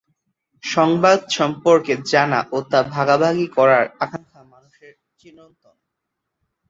সংবাদ সম্পর্কে জানা ও তা ভাগাভাগি করার আকাঙ্ক্ষা মানুষের চিরন্তন।